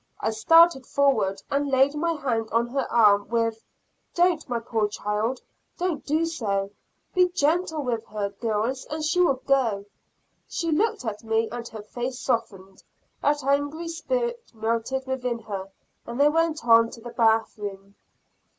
I started forward, and laid my hand on her arm, with "Don't, my poor child, don't do so; be gentle with her, girls, and she will go." She looked at me, and her face softened; that angry spirit melted within her, and they went on to the bath room.